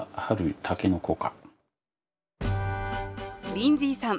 リンズィーさん